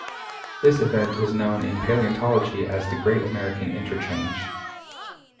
This event is known in paleontology as the Great American Interchange.